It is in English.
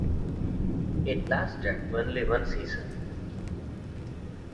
It lasted only one season.